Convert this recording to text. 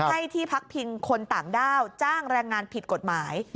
ให้ที่พักพิงคนต่างด้าวจ้างแรงงานผิดกฎหมาย